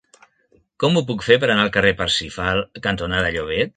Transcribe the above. Com ho puc fer per anar al carrer Parsifal cantonada Llobet?